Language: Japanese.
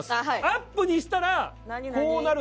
アップにしたらこうなるんです。